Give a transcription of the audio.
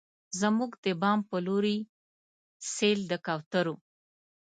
زموږ د بام په لورې، سیل د کوترو